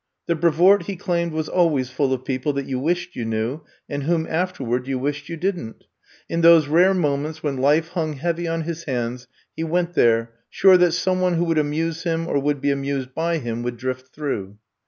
The Brevoort, he claimed, was always full of people that you wished you knew and whom afterward you wished you did n't. In those rare mo ments when life hung heavy on his hands, he went there, sure that some one who would amuse him or would be amused by him would drift through.